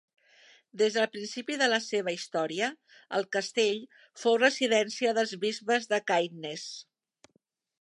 Des del principi de la seva història, el castell fou residència dels bisbes de Caithness.